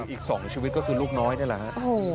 อีกสองชีวิตก็คือลูกน้อยได้แล้ว